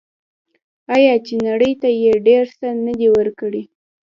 آیا چې نړۍ ته یې ډیر څه نه دي ورکړي؟